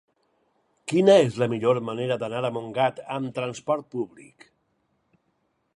Quina és la millor manera d'anar a Montgat amb trasport públic?